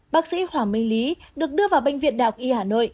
bác sĩ hoàng minh lý được đưa vào bệnh viện đạo y hà nội